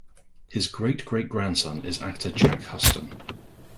His great-great-grandson is actor Jack Huston.